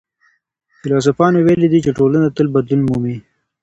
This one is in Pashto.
فيلسوفانو ويلي دي چي ټولنه تل بدلون مومي.